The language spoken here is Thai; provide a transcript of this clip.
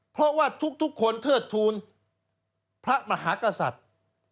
เพราะว่าทุกคนเทิดทูลพระมหากษัตริย์